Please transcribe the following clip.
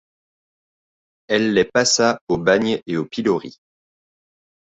Elle les passa au bagne et au pilori.